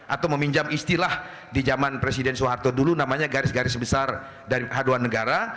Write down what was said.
atau meminjam istilah di zaman presiden soeharto dulu namanya garis garis besar dari haluan negara